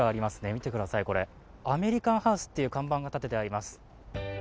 見てください、これアメリカンハウスという看板が立ててあります。